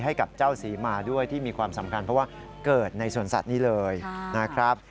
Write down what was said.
ให้กับเจ้าศรีมาด้วยที่มีความสำคัญเพราะว่าเกิดในสวนสัตว์นี้เลยนะครับ